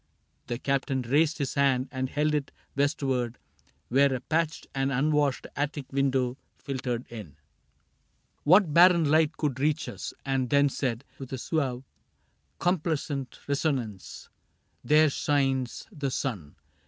" The Captain raised His hand and held it westward, where a patched And unwashed attic window filtered in 6 CAPTAIN CRAIG What barren light could reach us, and then said. With a suave, complacent resonance :" There shines The sun.